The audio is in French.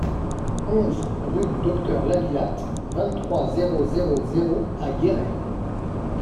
onze rue du Docteur Lavillatte, vingt-trois, zéro zéro zéro à Guéret